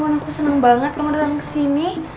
ya ampun aku seneng banget kamu datang kesini